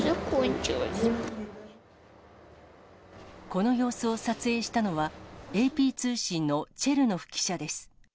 この様子を撮影したのは、ＡＰ通信のチェルノフ記者です。